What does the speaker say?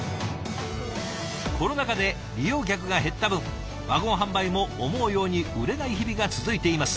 コロナ禍で利用客が減った分ワゴン販売も思うように売れない日々が続いています。